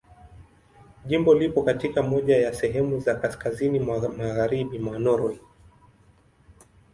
Jimbo lipo katika moja ya sehemu za kaskazini mwa Magharibi mwa Norwei.